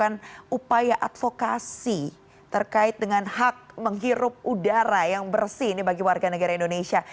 melakukan upaya advokasi terkait dengan hak menghirup udara yang bersih ini bagi warga negara indonesia